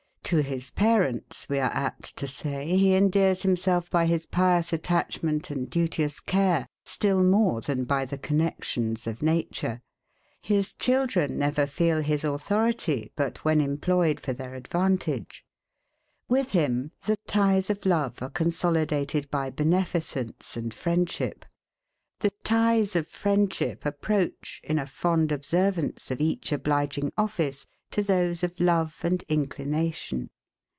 To his parents, we are apt to say, he endears himself by his pious attachment and duteous care still more than by the connexions of nature. His children never feel his authority, but when employed for their advantage. With him, the ties of love are consolidated by beneficence and friendship. The ties of friendship approach, in a fond observance of each obliging office, to those of love and inclination.